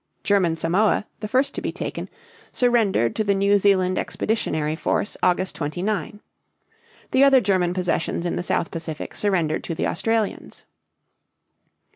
German Samoa, the first to be taken, surrendered to the New Zealand expeditionary force August 29. The other German possessions in the South Pacific surrendered to the Australians.